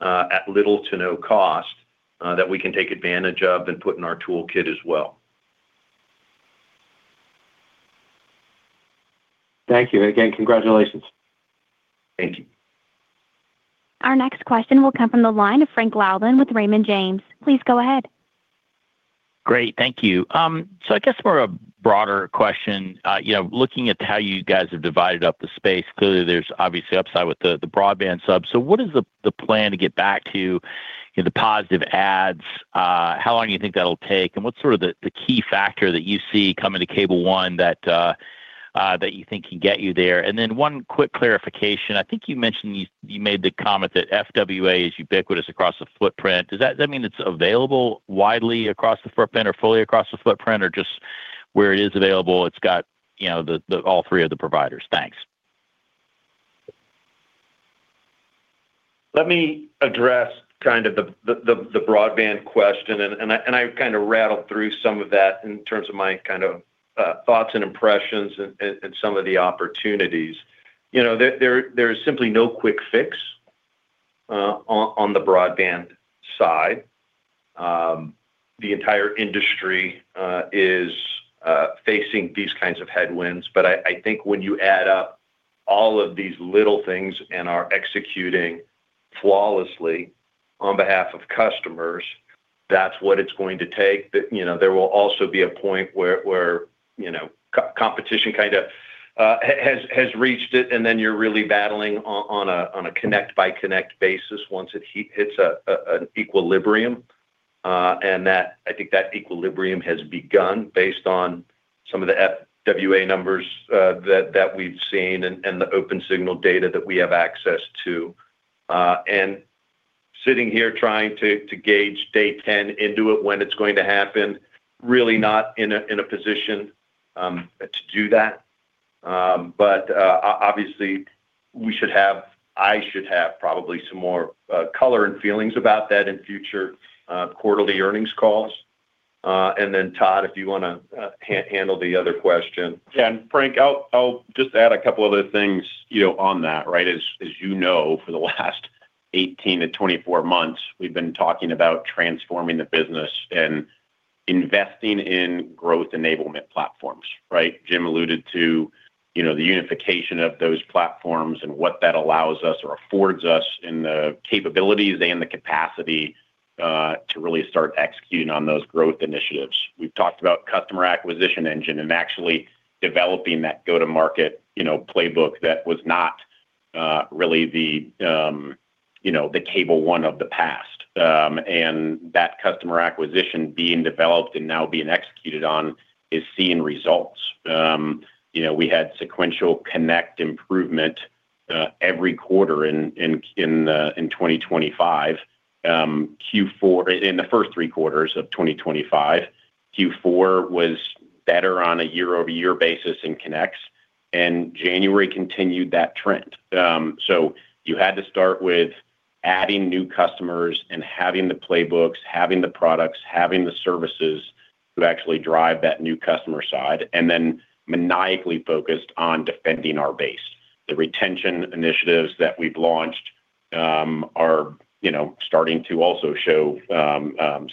Speaker 4: at little to no cost, that we can take advantage of and put in our toolkit as well.
Speaker 7: Thank you. Congratulations.
Speaker 4: Thank you.
Speaker 1: Our next question will come from the line of Frank Louthan with Raymond James. Please go ahead.
Speaker 8: Great. Thank you. I guess more a broader question. You know, looking at how you guys have divided up the space, clearly there's obviously upside with the broadband sub. What is the plan to get back to, you know, the positive adds, how long do you think that'll take? What's sort of the key factor that you see coming to Cable One that you think can get you there? 1 quick clarification. I think you mentioned you made the comment that FWA is ubiquitous across the footprint. Does that mean it's available widely across the footprint or fully across the footprint or just where it is available, it's got, you know, the all 3 of the providers? Thanks.
Speaker 4: Let me address kind of the broadband question and I kind of rattled through some of that in terms of my kind of thoughts and impressions and some of the opportunities. You know, there is simply no quick fix on the broadband side. The entire industry is facing these kinds of headwinds. I think when you add up all of these little things and are executing flawlessly on behalf of customers, that's what it's going to take. That, you know, there will also be a point where, you know, co-competition kind of has reached it, and then you're really battling on a connect by connect basis once it hits an equilibrium. I think that equilibrium has begun based on some of the FWA numbers that we've seen and the OpenSignal data that we have access to. Sitting here trying to gauge day 10 into it when it's going to happen, really not in a position to do that. Obviously, I should have probably some more color and feelings about that in future quarterly earnings calls. Todd, if you wanna handle the other question.
Speaker 3: Frank, I'll just add a couple other things, you know, on that, right? As you know, for the last 18-24 months, we've been talking about transforming the business and investing in growth enablement platforms, right? Jim alluded to, you know, the unification of those platforms and what that allows us or affords us in the capabilities and the capacity, to really start executing on those growth initiatives. We've talked about customer acquisition engine and actually developing that go-to-market, you know, playbook that was not, really the, you know, the Cable One of the past. That customer acquisition being developed and now being executed on is seeing results. You know, we had sequential connect improvement every quarter in 2025. Q4 in the first three quarters of 2025. Q4 was better on a year-over-year basis in connects, and January continued that trend. You had to start with adding new customers and having the playbooks, having the products, having the services to actually drive that new customer side, and then maniacally focused on defending our base. The retention initiatives that we've launched, are, you know, starting to also show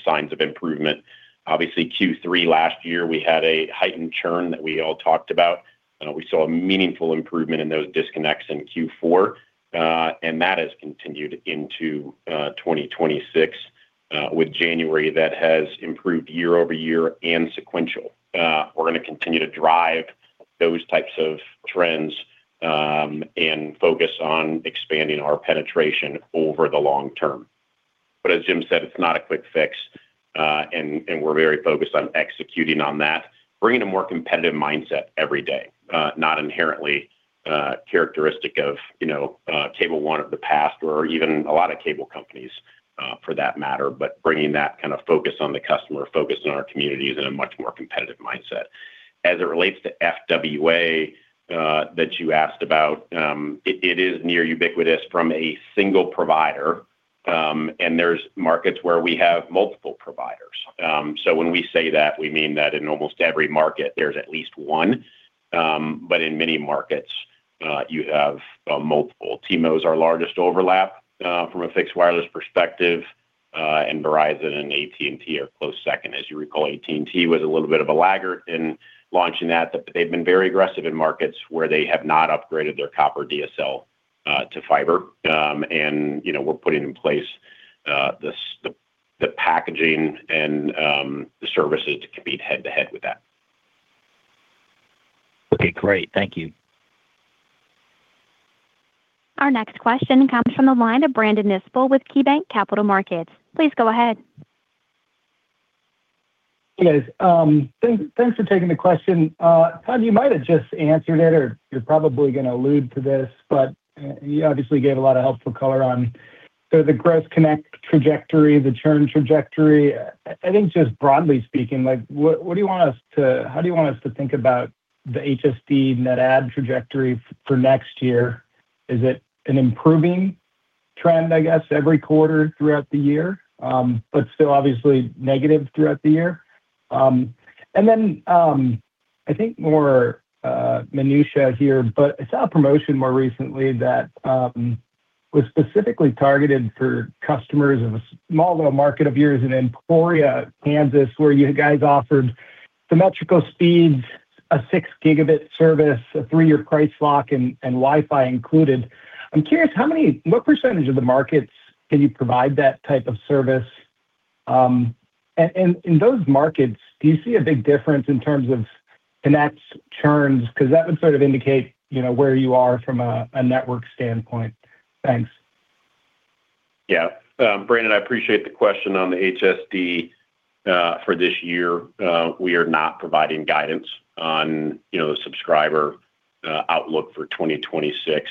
Speaker 3: signs of improvement. Obviously, Q3 last year, we had a heightened churn that we all talked about. We saw a meaningful improvement in those disconnects in Q4, that has continued into 2026. With January, that has improved year-over-year and sequential. We're gonna continue to drive those types of trends, and focus on expanding our penetration over the long term. As Jim said, it's not a quick fix, and we're very focused on executing on that, bringing a more competitive mindset every day, not inherently characteristic of, you know, Cable One of the past or even a lot of cable companies for that matter. Bringing that kind of focus on the customer, focus on our communities in a much more competitive mindset. As it relates to FWA that you asked about, it is near ubiquitous from a single provider, and there's markets where we have multiple providers. When we say that, we mean that in almost every market there's at least one. In many markets, you have multiple. T-Mo is our largest overlap from a fixed wireless perspective, and Verizon and AT&T are close second. As you recall, AT&T was a little bit of a laggard in launching that. They've been very aggressive in markets where they have not upgraded their copper DSL to fiber. You know, we're putting in place the packaging and the services to compete head to head with that.
Speaker 8: Okay, great. Thank you.
Speaker 1: Our next question comes from the line of Brandon Nispel with KeyBanc Capital Markets. Please go ahead.
Speaker 9: Hey guys, thanks for taking the question. Todd, you might have just answered it or you're probably gonna allude to this, but you obviously gave a lot of helpful color on the gross connect trajectory, the churn trajectory. I think just broadly speaking, like what do you want us to think about the HSD net add trajectory for next year? Is it an improving trend, I guess, every quarter throughout the year, but still obviously negative throughout the year? I think more minutiae here, but I saw a promotion more recently that was specifically targeted for customers of a small little market of yours in Emporia, Kansas, where you guys offered symmetrical speeds, a 6 gigabit service, a 3-year price lock and Wi-Fi included. I'm curious, what % of the markets can you provide that type of service? In those markets, do you see a big difference in terms of connects, churns? Because that would sort of indicate, you know, where you are from a network standpoint. Thanks.
Speaker 3: Brandon, I appreciate the question on the HSD. For this year, we are not providing guidance on, you know, the subscriber outlook for 2026.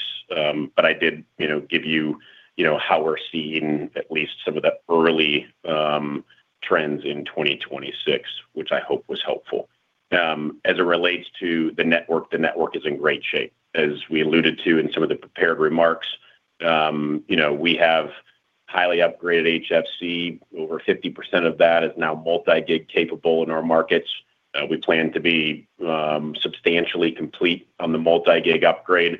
Speaker 3: I did, you know, give you know, how we're seeing at least some of the early trends in 2026, which I hope was helpful. As it relates to the network, the network is in great shape. As we alluded to in some of the prepared remarks, you know, we have highly upgraded HFC, over 50% of that is now multi-gig capable in our markets. We plan to be substantially complete on the multi-gig upgrade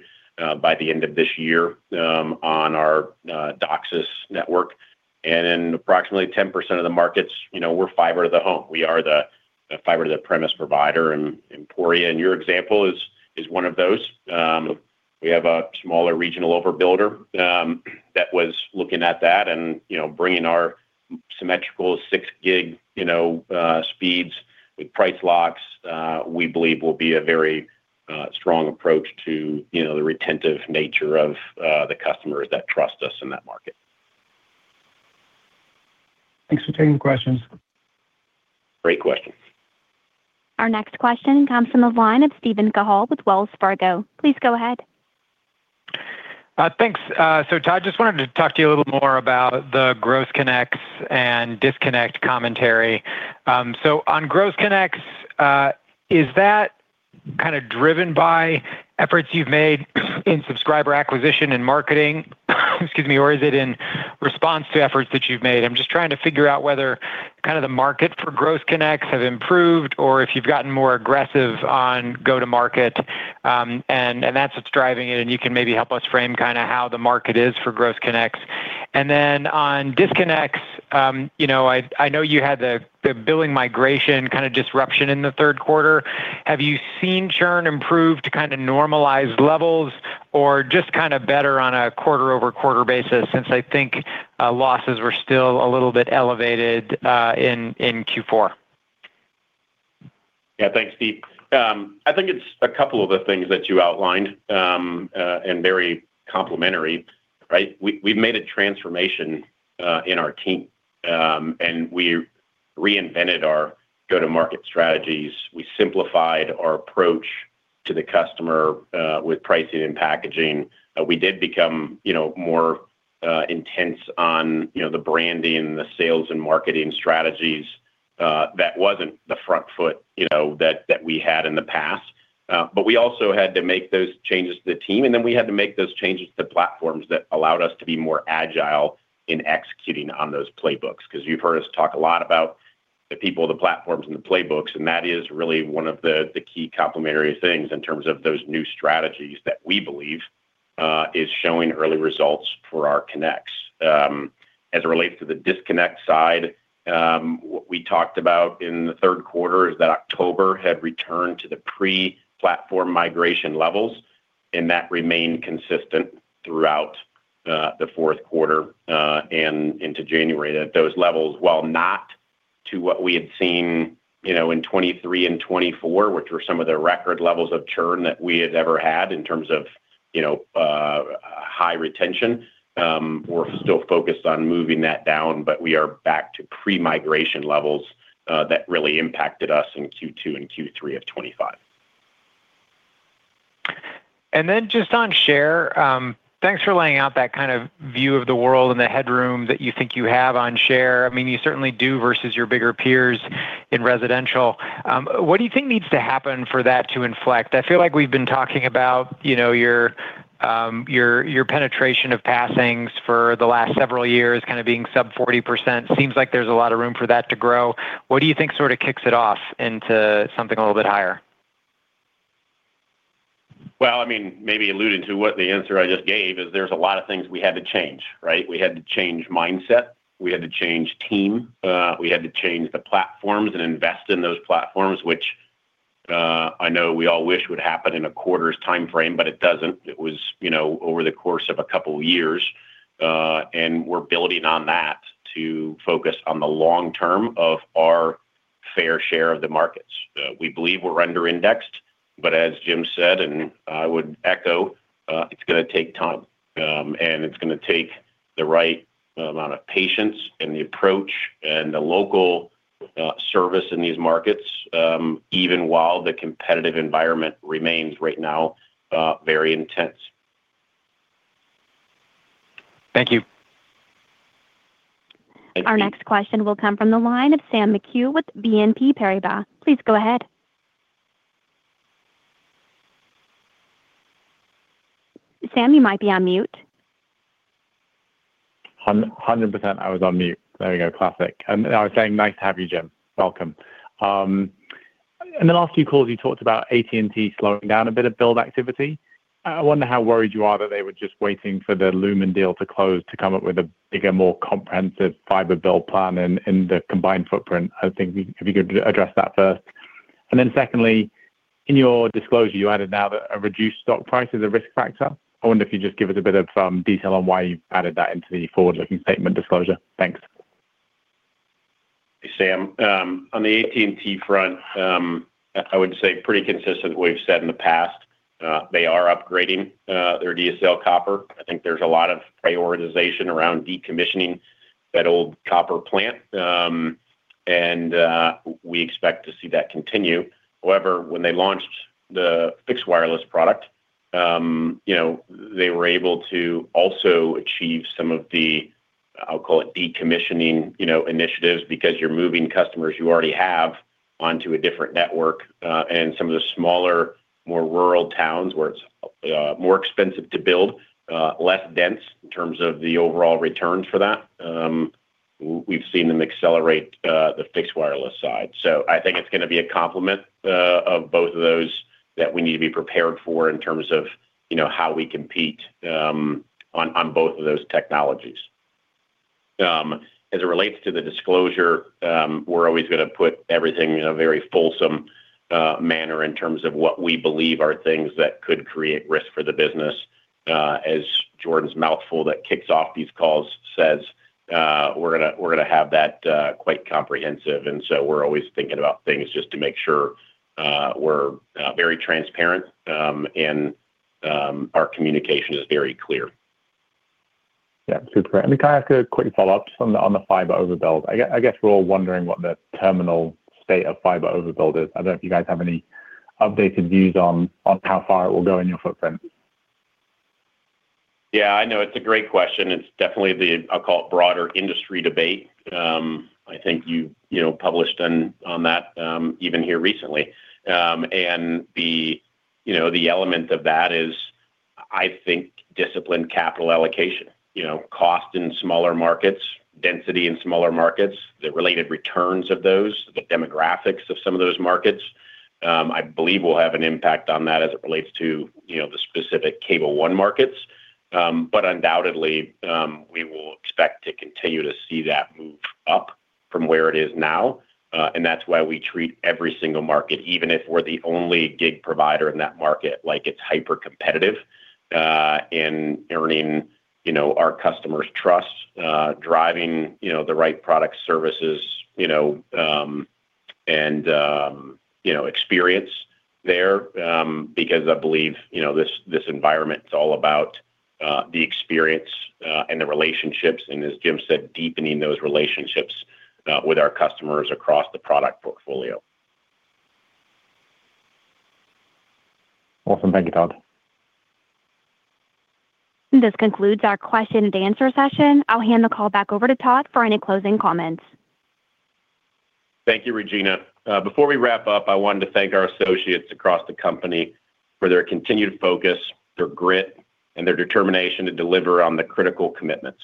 Speaker 3: by the end of this year on our DOCSIS network. In approximately 10% of the markets, you know, we're fiber to the home. We are the fiber to the premise provider and Emporia, in your example, is one of those. We have a smaller regional overbuilder that was looking at that and, you know, bringing our symmetrical 6 gig, you know, speeds with price locks, we believe will be a very strong approach to, you know, the retentive nature of the customers that trust us in that market.
Speaker 9: Thanks for taking the questions.
Speaker 3: Great question.
Speaker 1: Our next question comes from the line of Steven Cahall with Wells Fargo. Please go ahead.
Speaker 10: Thanks. Todd, just wanted to talk to you a little more about the gross connects and disconnect commentary. On gross connects, is that kind of driven by efforts you've made in subscriber acquisition and marketing, excuse me, or is it in response to efforts that you've made? I'm just trying to figure out whether kind of the market for gross connects have improved or if you've gotten more aggressive on go to market, and that's what's driving it, and you can maybe help us frame kinda how the market is for gross connects. Then on disconnects, you know, I know you had the billing migration kind of disruption in the third quarter. Have you seen churn improve to kind of normalized levels or just kind of better on a quarter-over-quarter basis since I think losses were still a little bit elevated in Q4?
Speaker 3: Thanks, Steve. I think it's a couple of the things that you outlined. Very complimentary, right? We've made a transformation in our team, and we reinvented our go-to-market strategies. We simplified our approach to the customer with pricing and packaging. We did become, you know, more intense on, you know, the branding, the sales and marketing strategies. That wasn't the front foot, you know, that we had in the past. We also had to make those changes to the team, and then we had to make those changes to platforms that allowed us to be more agile in executing on those playbooks. You've heard us talk a lot about the people, the platforms and the playbooks, and that is really one of the key complementary things in terms of those new strategies that we believe, is showing early results for our connects. As it relates to the disconnect side, what we talked about in the third quarter is that October had returned to the pre-platform migration levels, and that remained consistent throughout the fourth quarter and into January. Those levels, while not to what we had seen, you know, in 23 and 24, which were some of the record levels of churn that we had ever had in terms of, you know, high retention, we're still focused on moving that down, but we are back to pre-migration levels that really impacted us in Q2 and Q3 of 25.
Speaker 10: Just on share, thanks for laying out that kind of view of the world and the headroom that you think you have on share. I mean, you certainly do versus your bigger peers in residential. What do you think needs to happen for that to inflect? I feel like we've been talking about, you know, your penetration of passings for the last several years kind of being sub 40%. Seems like there's a lot of room for that to grow. What do you think sort of kicks it off into something a little bit higher?
Speaker 3: Well, I mean, maybe alluding to what the answer I just gave is there's a lot of things we had to change, right? We had to change mindset. We had to change team. We had to change the platforms and invest in those platforms, which, I know we all wish would happen in a quarter's time frame, but it doesn't. It was, you know, over the course of a couple years. And we're building on that to focus on the long term of our fair share of the markets. We believe we're under-indexed. As Jim said, and I would echo, it's gonna take time, and it's gonna take the right amount of patience and the approach and the local, service in these markets, even while the competitive environment remains right now, very intense.
Speaker 10: Thank you.
Speaker 1: Our next question will come from the line of Sam McHugh with BNP Paribas. Please go ahead. Sam, you might be on mute.
Speaker 11: Hundred percent I was on mute. There we go. Classic. I was saying nice to have you, Jim. Welcome. In the last few calls, you talked about AT&T slowing down a bit of build activity. I wonder how worried you are that they were just waiting for the Lumen deal to close to come up with a bigger, more comprehensive fiber build plan in the combined footprint. I was thinking if you could address that first. Secondly, in your disclosure, you added now that a reduced stock price is a risk factor. I wonder if you could just give us a bit of detail on why you've added that into the forward-looking statement disclosure. Thanks.
Speaker 4: Hey, Sam. On the AT&T front, I would say pretty consistent with what we've said in the past. They are upgrading their DSL copper. I think there's a lot of prioritization around decommissioning that old copper plant, and we expect to see that continue. However, when they launched the fixed wireless product, you know, they were able to also achieve some of the, I'll call it decommissioning, you know, initiatives because you're moving customers you already have onto a different network, and some of the smaller, more rural towns where it's more expensive to build, less dense in terms of the overall returns for that. We've seen them accelerate the fixed wireless side. I think it's gonna be a complement of both of those that we need to be prepared for in terms of, you know, how we compete on both of those technologies. As it relates to the disclosure, we're always gonna put everything in a very fulsome manner in terms of what we believe are things that could create risk for the business. As Jordan's mouthful that kicks off these calls says, we're gonna have that quite comprehensive. We're always thinking about things just to make sure we're very transparent and our communication is very clear.
Speaker 11: Super great. Let me ask a quick follow-up just on the fiber overbuild. I guess we're all wondering what the terminal state of fiber overbuild is. I don't know if you guys have any updated views on how far it will go in your footprint.
Speaker 3: I know it's a great question. It's definitely the, I'll call it, broader industry debate. I think you know, published on that, even here recently. The, you know, the element of that is I think disciplined capital allocation. You know, cost in smaller markets, density in smaller markets, the related returns of those, the demographics of some of those markets, I believe will have an impact on that as it relates to, you know, the specific Cable One markets. Undoubtedly, we will expect to continue to see that move up from where it is now. That's why we treat every single market, even if we're the only gig provider in that market, like it's hypercompetitive, in earning, you know, our customers' trust, driving, you know, the right product services, you know, and, you know, experience there, because I believe, you know, this environment is all about, the experience, and the relationships, and as Jim said, deepening those relationships, with our customers across the product portfolio.
Speaker 11: Awesome. Thank you, Todd.
Speaker 1: This concludes our question and answer session. I'll hand the call back over to Todd for any closing comments.
Speaker 3: Thank you, Regina. Before we wrap up, I wanted to thank our associates across the company for their continued focus, their grit, and their determination to deliver on the critical commitments.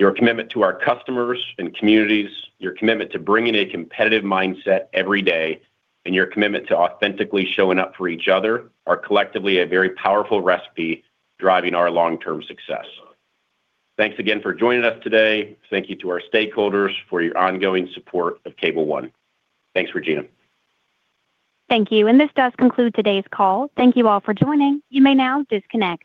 Speaker 3: Your commitment to our customers and communities, your commitment to bringing a competitive mindset every day, and your commitment to authentically showing up for each other are collectively a very powerful recipe driving our long-term success. Thanks again for joining us today. Thank you to our stakeholders for your ongoing support of Cable One. Thanks, Regina.
Speaker 1: Thank you. This does conclude today's call. Thank you all for joining. You may now disconnect.